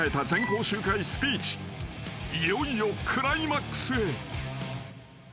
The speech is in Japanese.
［いよいよクライマックスへ］